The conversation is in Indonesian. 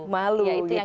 malu gitu kan